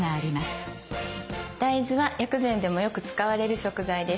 大豆は薬膳でもよく使われる食材です。